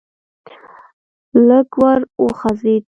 لږ ور وڅخېد.